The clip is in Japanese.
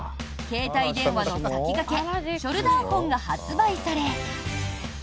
携帯電話の先駆けショルダーホンが発売され。